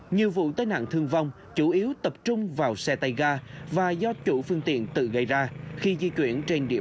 nhiều vụ tai nạn thương vong chủ yếu tập trung vào xe tay ga và do chủ phương tiện tự gây ra khi di chuyển trên địa bàn